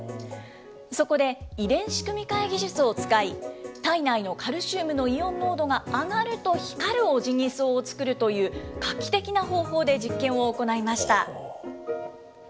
そこで遺伝子組み換え技術を使い、体内のカルシウムのイオン濃度が上がると光るオジギソウを作るという画期的な方法で実験を行いました。